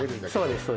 そうです